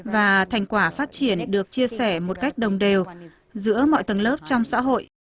và thành quả phát triển được chia sẻ một cách đồng đều giữa mọi tầng lớp trong xã hội